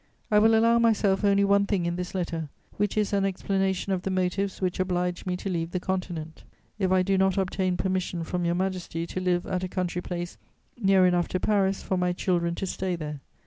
I will allow myself only one thing in this letter, which is an explanation of the motives which oblige me to leave the Continent, if I do not obtain permission from Your Majesty to live at a country place near enough to Paris for my children to stay there.